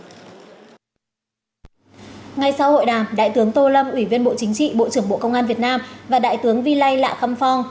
ngay sau hội đàm đại tướng tô lâm ủy viên bộ chính trị bộ trưởng bộ công an việt nam và đại tướng vi lây lạ khăm phong